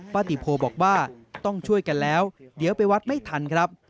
ปฏิโพบอกว่าต้องช่วยกันแล้วเดี๋ยวไปวัดไม่ทันครับ